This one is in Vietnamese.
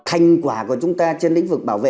thành quả của chúng ta trên lĩnh vực bảo vệ